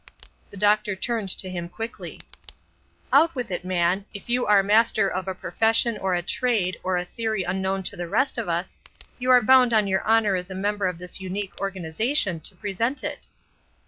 The doctor turned to him quickly: "Out with it, man; if you are master of a profession or a trade or a theory unknown to the rest of us, you are bound on your honor as a member of this unique organization to present it."